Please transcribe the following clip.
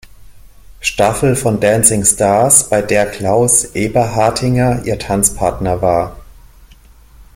Staffel von Dancing Stars, bei der Klaus Eberhartinger ihr Tanzpartner war.